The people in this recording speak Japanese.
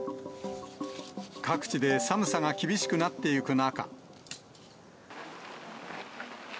各地で寒さが厳しくなっていく中。